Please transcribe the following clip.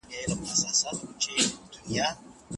زه فکر کوم چې خدمات به ښه شي.